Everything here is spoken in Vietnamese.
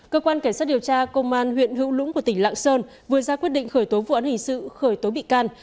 cơ quan cảnh sát điều tra công an huyện hữu lũng của tỉnh lạng sơn vừa ra quyết định khởi tố vụ án hình sự khởi tố bị can